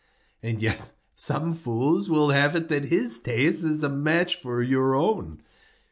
"And yet some fools will have it that his taste is a match for your own."